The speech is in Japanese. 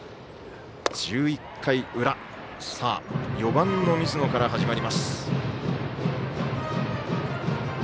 １１回裏４番の水野から始まります。